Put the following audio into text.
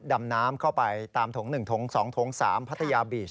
ดำน้ำเข้าไปตามถง๑ถง๒ถง๓พัทยาบีช